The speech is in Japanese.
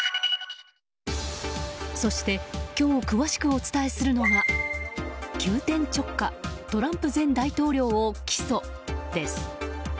そして、今日詳しくお伝えするのが急転直下トランプ前大統領を起訴です。